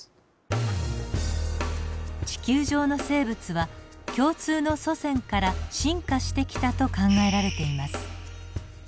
地球上の生物は共通の祖先から進化してきたと考えられています。